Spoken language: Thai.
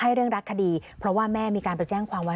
เรื่องรักคดีเพราะว่าแม่มีการไปแจ้งความไว้